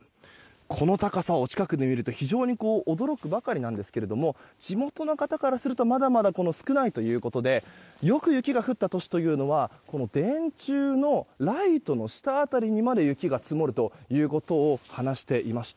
この高さを近くで見ると非常に驚くばかりなんですけど地元の方からするとまだまだ少ないということでよく雪が降った年というのは電柱のライトの下辺りまで雪が積もるということを話していました。